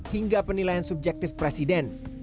hingga penilaian subjektif presiden